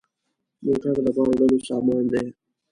موټر د بار وړلو سامان دی.